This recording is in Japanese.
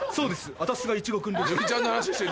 私がいちごくんです。